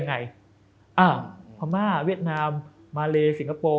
พม่าเวียดนามมาเลสิงคโปร์